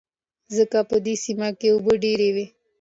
ځکه په دې سيمه کې اوبه ډېر وې.